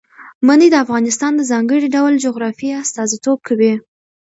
منی د افغانستان د ځانګړي ډول جغرافیه استازیتوب کوي.